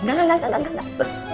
enggak enggak enggak